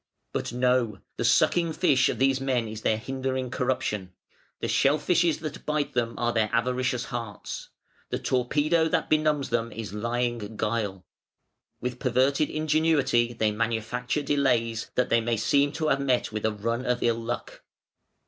"But no. The sucking fish of these men is their hindering corruption. The shell fishes that bite them are their avaricious hearts. The torpedo that benumbs them is lying guile. With perverted ingenuity they manufacture delays, that they may seem to have met with a run of ill luck.